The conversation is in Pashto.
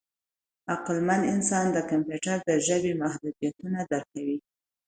عقلمن انسان د کمپیوټر د ژبې محدودیتونه درک کوي.